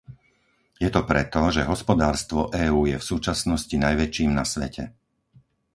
Je to preto, že hospodárstvo EÚ je v súčasnosti najväčším na svete.